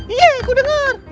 iya aku dengar